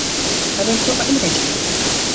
Have you ever thought about emigrating before?